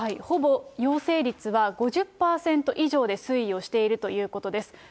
ほぼ陽性率は５０％以上で推移をしているということです。